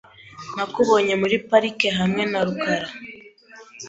Nakubonye muri parike hamwe na rukara .